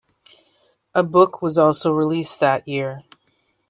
A book was also released that year.